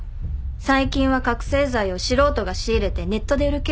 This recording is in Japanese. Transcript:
最近は覚醒剤を素人が仕入れてネットで売るケースが多い。